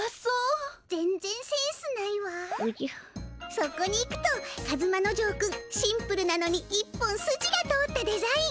そこにいくとカズマの丞君シンプルなのに一本すじが通ったデザイン。